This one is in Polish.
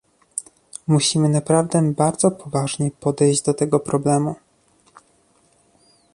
Musimy naprawdę bardzo poważnie podejść do tego problemu